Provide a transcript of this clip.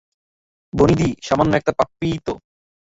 বনিদি, সামান্য একটা পাপ্পিই তো।